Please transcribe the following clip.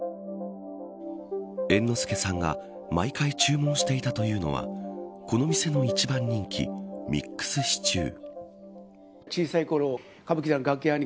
猿之助さんが毎回注文していたというのはこの店の一番人気ミックスシチュー。